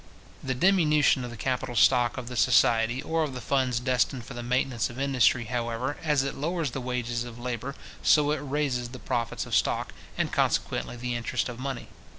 The diminution of the capital stock of the society, or of the funds destined for the maintenance of industry, however, as it lowers the wages of labour, so it raises the profits of stock, and consequently the interest of money.